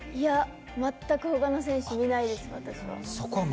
全くほかの選手は見ないです、私は。